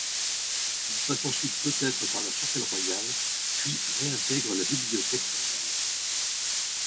Il passe ensuite peut-être par la chapelle royale puis réintègre la bibliothèque royale.